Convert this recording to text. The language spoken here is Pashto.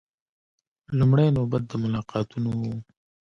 لومړۍ نوبت د ملاقاتونو و.